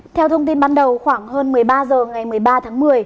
theo thông tin ban đầu khoảng hơn một mươi ba h ngày một mươi ba tháng một mươi